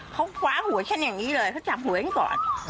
เขาคว้าหัวฉันอย่างนี้เลยเขาจับหัวฉันก่อน